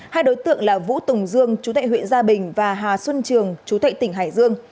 hai đối tượng là vũ tùng dương chú tệ huyện gia bình và hà xuân trường chú tệ tỉnh hải dương